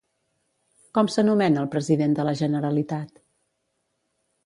Com s'anomena el president de la Generalitat?